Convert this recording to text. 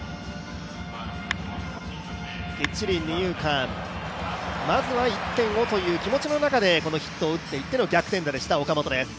きっちり二遊間、まずは１点をという気持ちの中でヒットを打っていっての逆転打でした、岡本。